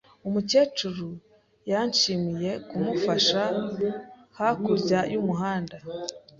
Umukecuru yanshimiye kumufasha hakurya y'umuhanda.